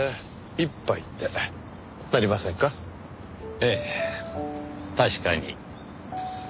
ええ確かに。